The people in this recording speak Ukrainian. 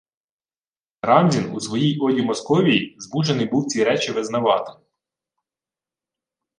Карамзін у своїй «оді» Московії змушений був ці речі визнавати